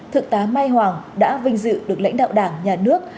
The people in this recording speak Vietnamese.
thượng tá mai hoàng đã vinh dự được lãnh đạo đảng nhà nước